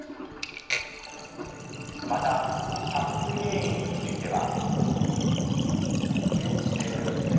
また、発生原因については。